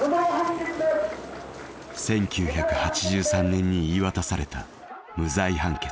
１９８３年に言い渡された無罪判決。